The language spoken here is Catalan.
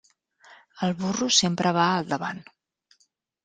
El burro sempre va al davant.